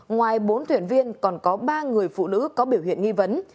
ngoài bốn thuyền viên còn có ba người phụ nữ có biểu hiện nghi vấn